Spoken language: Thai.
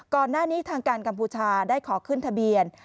ก่อนหน้านี้ทางการกัมพูชาได้ขอขึ้นทะเบียน